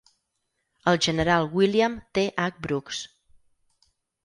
El general William T. H. Brooks.